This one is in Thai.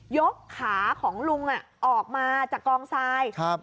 ยกขาของลุงออกมาจากกองทรายครับ